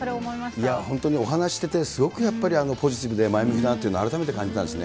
いや、本当にお話してて、すごくやっぱりポジティブで、前向きだなというのを改めて感じたんですね。